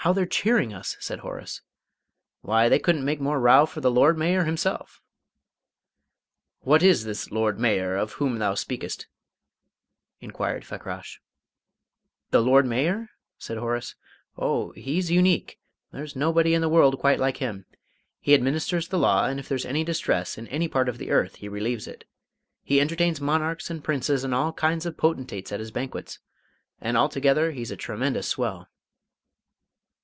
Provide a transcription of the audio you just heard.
"How they're cheering us!" said Horace. "Why, they couldn't make more row for the Lord Mayor himself." "What is this Lord Mayor of whom thou speakest?" inquired Fakrash. "The Lord Mayor?" said Horace. "Oh, he's unique. There's nobody in the world quite like him. He administers the law, and if there's any distress in any part of the earth he relieves it. He entertains monarchs and Princes and all kinds of potentates at his banquets, and altogether he's a tremendous swell."